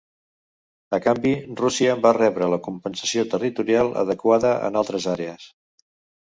A canvi, Rússia va rebre la compensació territorial adequada en altres àrees.